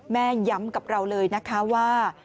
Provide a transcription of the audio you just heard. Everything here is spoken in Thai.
ย้ำกับเราเลยนะคะว่า